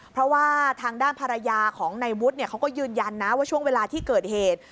เพราะว่าทางด้านภรรยาของนายวุฒิเขาก็ยืนยันนะว่าช่วงเวลาที่เกิดเหตุ